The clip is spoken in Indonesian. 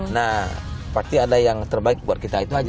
nah pasti ada yang terbaik buat kita itu aja